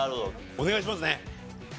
お願いしますね。